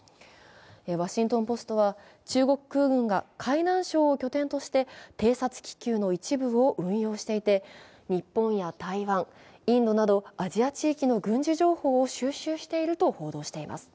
「ワシントン・ポスト」は中国空軍が海南省を拠点として偵察気球の一部を運用していて日本や台湾、インドなどアジア地域の軍事情報を収集していると報道しています。